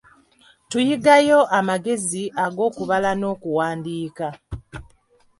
Tuyigayo amagezi ag'okubala n'okuwandiika.